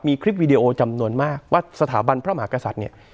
มีคลิปวีดีโอจำนวนมากว่าสถาบันพระมหากษัตริย์เนี่ย